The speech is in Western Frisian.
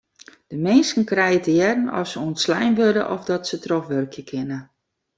De minsken krije te hearren oft se ûntslein wurde of dat se trochwurkje kinne.